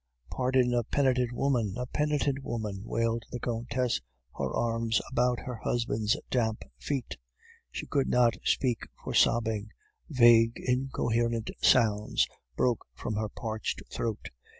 "'Pardon a penitent woman, a penitent woman!...' wailed the Countess, her arms about her husband's damp feet. She could not speak for sobbing; vague, incoherent sounds broke from her parched throat.